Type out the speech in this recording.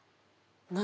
「何？